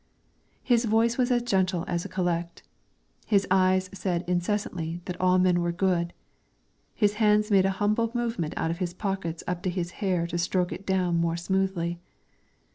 His voice was as gentle as a collect, his eyes said incessantly that all men were good, his hands made a humble movement out of his pockets up to his hair to stroke it down more smoothly.